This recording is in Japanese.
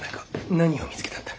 何を見つけたんだ？